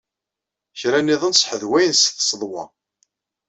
Kra niḍen sḥedwayen s tseḍwa.